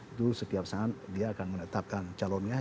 itu setiap saat dia akan menetapkan calonnya